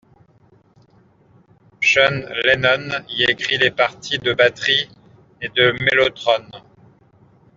Sean Lennon y écrit les parties de batterie et de mellotron.